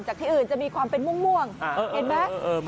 ชอบหมดเลย